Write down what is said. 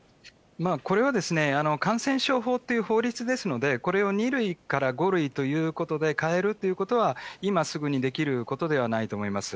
これは、感染症法という法律ですので、これを２類から５類ということで変えるということは、今すぐにできることではないと思います。